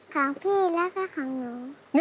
ของพี่แล้วก็ของหนู